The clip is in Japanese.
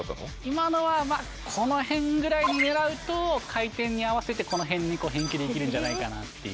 今のはこのへんぐらいを狙うと回転に合わせて、この辺に返球できるんじゃないかなっていう。